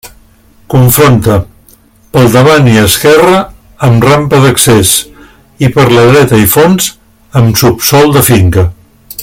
Confronta: pel davant i esquerra amb rampa d'accés; i per la dreta i fons amb subsòl de finca.